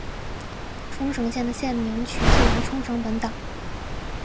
冲绳县的县名取自于冲绳本岛。